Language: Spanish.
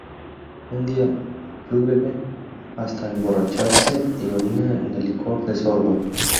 Un día, Yu bebe hasta emborracharse y orina en el licor de sorgo.